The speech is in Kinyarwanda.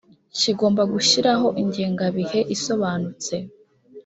kigomba gushyiraho ingengabihe isobanutse